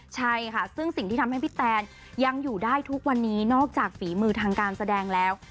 ใช่ค่ะซึ่งสิ่งที่ทำให้พี่แตนยังอยู่ได้ทุกวันนี้นอกจากฝีมือทางการแสดงแล้ว